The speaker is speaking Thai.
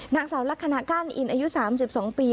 นางสาวลักษณะก้านอินอายุ๓๒ปี